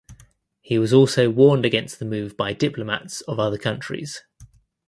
He was also warned against the move by diplomats of other countries.